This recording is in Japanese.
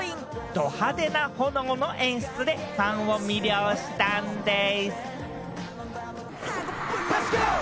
ド派手な炎の演出で、ファンを魅了したんでぃす。